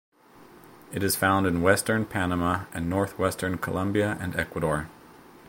It is found in western Panama and northwestern Colombia and Ecuador.